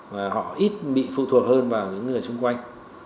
và họ ít bị phụ thuộc hơn vào những người xung quanh